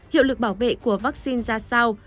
hiệu lực bảo vệ của vaccine ra sao